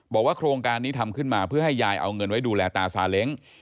บอกว่าโครงการนี้ทำขึ้นมาเพื่อให้ยายเอาเงินไว้ดูแลตาซาเล้ง